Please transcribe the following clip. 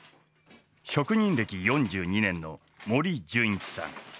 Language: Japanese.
職人歴４２年の森純一さん。